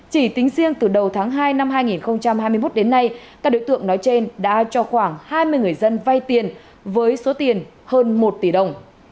chỉ tính riêng từ đầu tháng hai năm hai nghìn hai mươi một đến nay các đối tượng nói trên đã cho khoảng hai mươi người dân vay tiền với số tiền hơn một tỷ đồng